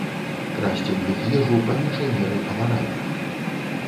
Красці ў іх ежу, па меншай меры, амаральна.